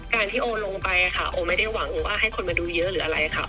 การที่โอลงไปโอไม่ได้หวังว่าให้คนมาดูเยอะหรืออะไรค่ะ